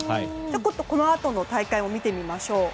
このあとの大会も見てみましょう。